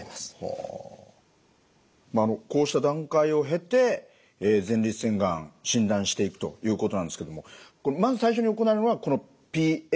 こうした段階を経て前立腺がん診断していくということなんですけどもまず最初に行われるのはこのＰＳＡ検査ですね。